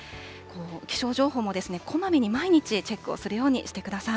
気象情報もこまめに毎日チェックをするようにしてください。